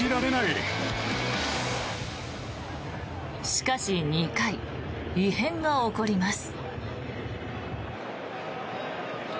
しかし、２回異変が起こります。